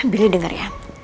bila denger ya